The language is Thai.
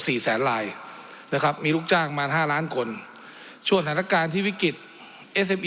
สี่แสนลายนะครับมีลูกจ้างมา๕ล้านคนช่วงฐานการณ์ที่วิกฤตศพ